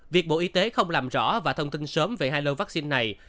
việc bộ y tế không làm rõ và thông tin sớm về hai lô vaccine này